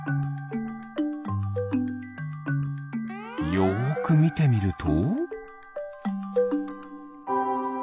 よくみてみると。